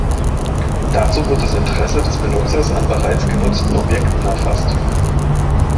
Dazu wird das Interesse des Benutzers an bereits genutzten Objekten erfasst.